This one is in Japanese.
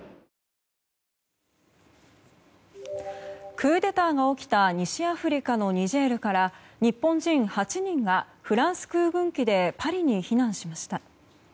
クーデターが起きた西アフリカのニジェールから日本人８人がフランス空軍機でパリに避難しました。